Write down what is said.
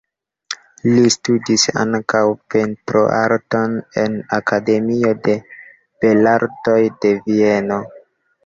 Li studis ankaŭ pentroarton en Akademio de Belartoj de Vieno.